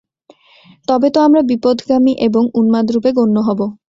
তবে তো আমরা বিপথগামী এবং উন্মাদরূপে গণ্য হব।